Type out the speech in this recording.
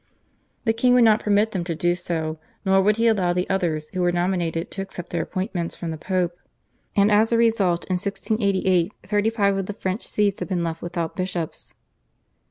The king would not permit them to do so, nor would he allow the others who were nominated to accept their appointments from the Pope, and as a result in 1688 thirty five of the French Sees had been left without bishops.